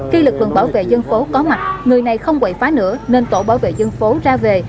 khi lực lượng bảo vệ dân phố có mặt người này không quậy phá nữa nên tổ bảo vệ dân phố ra về